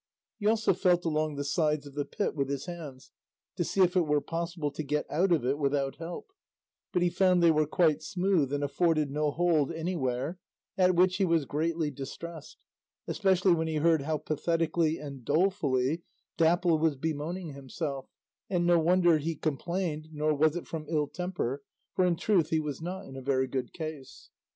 He also felt along the sides of the pit with his hands to see if it were possible to get out of it without help, but he found they were quite smooth and afforded no hold anywhere, at which he was greatly distressed, especially when he heard how pathetically and dolefully Dapple was bemoaning himself, and no wonder he complained, nor was it from ill temper, for in truth he was not in a very good case.